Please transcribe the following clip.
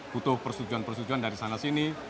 butuh persetujuan persetujuan dari sana sini